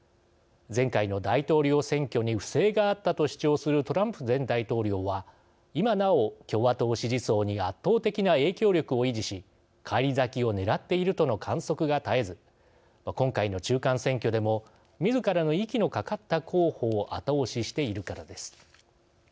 前回の大統領選挙に不正があったと主張するトランプ前大統領は今なお共和党支持層に圧倒的な影響力を維持し返り咲きをねらっているとの観測が絶えず今回の中間選挙でもみずからの息のかかった候補を後押ししているからです。